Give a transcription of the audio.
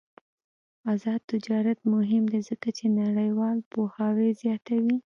آزاد تجارت مهم دی ځکه چې نړیوال پوهاوی زیاتوي.